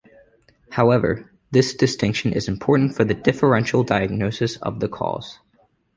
However, this distinction is important for the differential diagnosis of the cause.